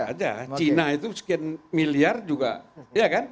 bisa saja cina itu sekian miliar juga ya kan